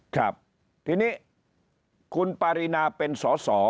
ครับทีนี้คุณปริณาเป็นส่อ